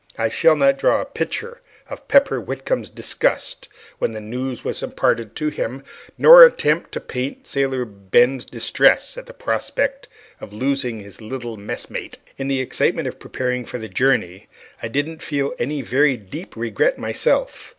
I shall not draw a picture of Pepper Whitcomb's disgust when the news was imparted to him, nor attempt to paint Sailor Ben's distress at the prospect of losing his little messmate. In the excitement of preparing for the journey I didn't feel any very deep regret myself.